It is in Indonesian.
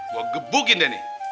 gue gebukin dia nih